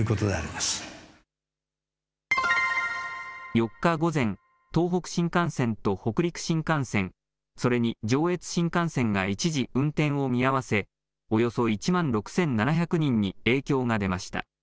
４日午前、東北新幹線と北陸新幹線、それに上越新幹線が一時運転を見合わせ、およそ１万６７００人に影響が出ました。